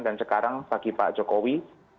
dan sekarang bagi pak jokowi